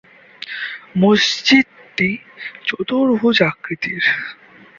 মসজিদটি চতুর্ভুজ আকৃতির।